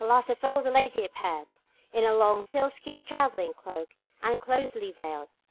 Last of all the lady appeared, in a long sealskin travelling cloak, and closely veiled.